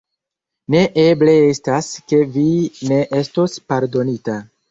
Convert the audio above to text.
Ne eble estas, ke vi ne estos pardonita.